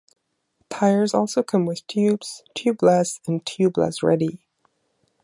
Tires also come with tubes, tubeless and tubeless-ready.